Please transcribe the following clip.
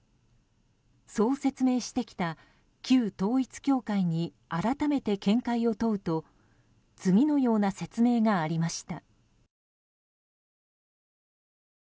そう説明してきた旧統一教会に改めて見解を問うと次のような説明がありました。